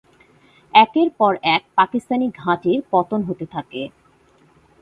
একের পর এক পাকিস্তানি ঘাঁটির পতন হতে থাকে।